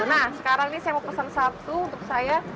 nah sekarang ini saya mau pesan satu untuk saya